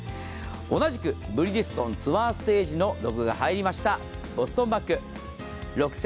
同じくブリヂストンツアーステージのロゴが入りましたボストンバッグ。